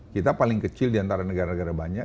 kita paling kecil di antara negara negara banyak